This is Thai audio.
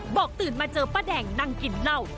บอกตื่นมาเจอป้าแดงนั่งกลิ่นเน่า